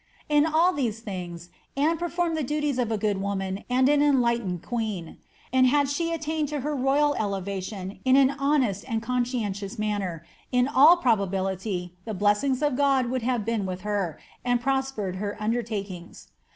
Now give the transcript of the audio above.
In all these things Anne performed the du ties of a good woman and an enlightened queen ; and had she attained to her royal elevation in an honest and conscientious manner, in all pro bability the blessing of God would have been with her, and prospered her undertakings.